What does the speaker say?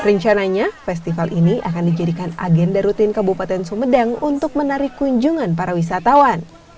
rencananya festival ini akan dijadikan agenda rutin kabupaten sumedang untuk menarik kunjungan para wisatawan